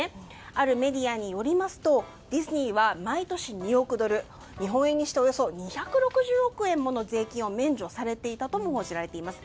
あるメディアによりますとディズニーは毎年２億ドル、日本円にしておよそ２６０億円もの税金を免除されていたとも報じられています。